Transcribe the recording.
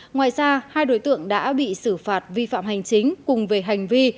ngoài ra hai đối tượng đã bị xử phạt vi phạm hành chính cùng về hành vi